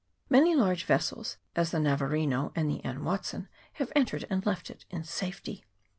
Many large vessels, as the Na varino and the Anne Watson, have entered and left it in safety.